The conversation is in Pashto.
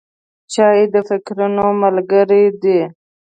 چای د فکرونو ملګری دی.